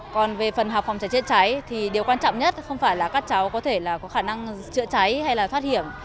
còn về phần học phòng cháy chữa cháy thì điều quan trọng nhất không phải là các cháu có thể là có khả năng chữa cháy hay là thoát hiểm